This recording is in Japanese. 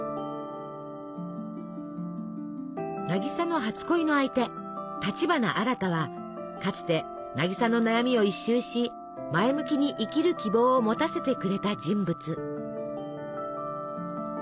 渚の初恋の相手立花アラタはかつて渚の悩みを一蹴し前向きに生きる希望を持たせてくれた人物。